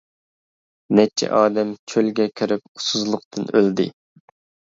نەچچە ئادەم چۆلگە كىرىپ، ئۇسسۇزلۇقتىن ئۆلدى.